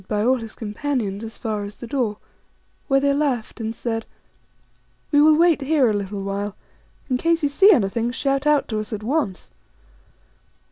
2J all his companions as far as the door, where they laughed and said, " We will wait here a little while. In case you see anything, shout out to us at once."